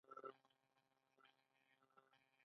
آیا د ښځو کالي ګنډ افغاني نه وي؟